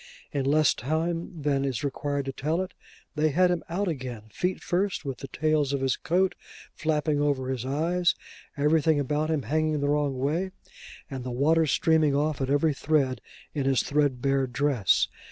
In less time than is required to tell it, they had him out again, feet first, with the tails of his coat flapping over his eyes, everything about him hanging the wrong way, and the water streaming off at every thread in his threadbare dress.